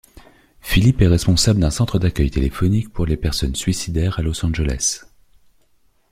Philip est responsable d'un centre d'accueil téléphonique pour les personnes suicidaires à Los Angeles.